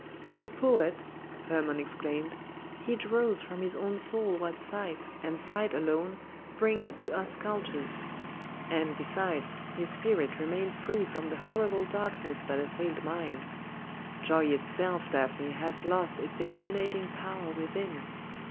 "The poet!" Hermon exclaimed. "He draws from his own soul what sight, and sight alone, brings to us sculptors. And, besides, his spirit remained free from the horrible darkness that assailed mine. Joy itself, Daphne, has lost its illuminating power within.